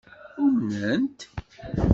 Umnent?